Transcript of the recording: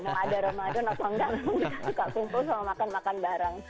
emang ada ramadan apa enggak suka kumpul sama makan makan bareng